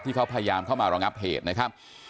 ที่เขาพยายามเข้ามารองับเหตุนะครับ